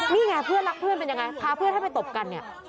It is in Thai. นี่ไงเพื่อนรักเพื่อนเป็นยังไงพาเพื่อนให้ไปตบกันเนี่ย